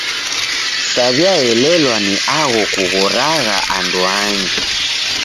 Saw'iaelelwa ni agho kughoragha anduangi.